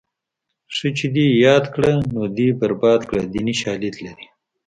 ښه چې دې یاد کړه نو دې برباد کړه دیني شالید لري